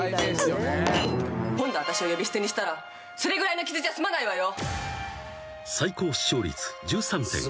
「今度私を呼び捨てにしたらそれぐらいの傷じゃ済まないわよ」